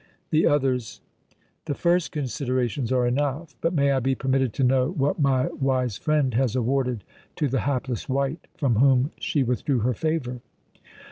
The others " "The first considerations are enough; but may I be permitted to know what my wise friend has awarded to the hapless wight from whom she withdrew her favour?"